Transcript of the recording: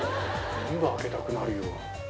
全部開けたくなるよ。